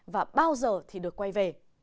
và bao giờ thì được quay về